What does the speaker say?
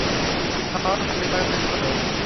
শহর খালি করা শুরু করো।